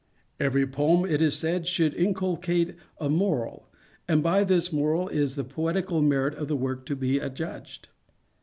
Every poem, it is said, should inculcate a morals and by this moral is the poetical merit of the work to be adjudged.